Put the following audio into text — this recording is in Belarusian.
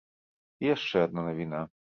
І яшчэ адна навіна.